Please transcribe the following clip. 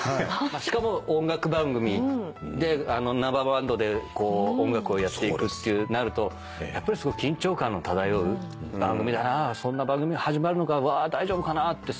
しかも音楽番組で生バンドで音楽をやっていくってなるとやっぱりすごく緊張感の漂う番組だなそんな番組始まるのか大丈夫かなってすごく心配。